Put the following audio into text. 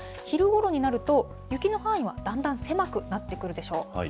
昼ごろになると、雪の範囲はだんだん狭くなってくるでしょう。